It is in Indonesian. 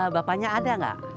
bapaknya ada gak